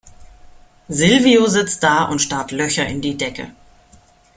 Silvio sitzt da und starrt Löcher in die Decke.